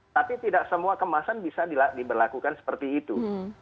tapi tidak semua kemasan bisa diberlakukan seperti itu